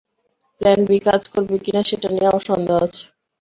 Plan B কাজ করবে কিনা সেটা নিয়ে আমার সন্দেহ আছে!